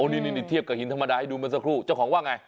นี่เทียบกับหินธรรมดาให้ดูเมื่อสักครู่เจ้าของว่าไง